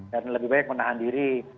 dan lebih baik menahan diri